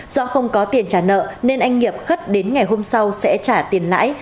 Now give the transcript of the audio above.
do không có tiền trả nợ nên anh nghiệp khất đến ngày hôm sau sẽ trả tiền lãi